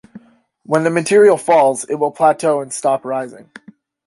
When the material falls, it will plateau and stop rising.